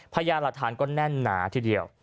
พยายามหลักฐานก็แน่นหนาทีเดียว